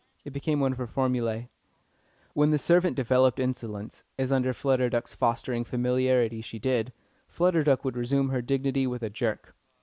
It became one of her formulæ. When the servant developed insolence, as under Flutter Duck's fostering familiarity she did, Flutter Duck would resume her dignity with a jerk.